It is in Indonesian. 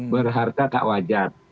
berharta tak wajar